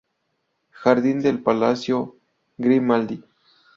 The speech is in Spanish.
Jardín del palacio Grimaldi.